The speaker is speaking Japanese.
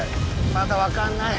まだ分かんない。